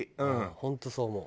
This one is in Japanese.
本当そう思う。